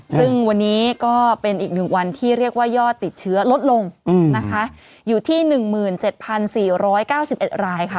ซึ่งวันนี้ก็เป็นอีก๑วันที่เรียกว่ายอดติดเชื้อลดลงนะคะอยู่ที่๑๗๔๙๑รายค่ะ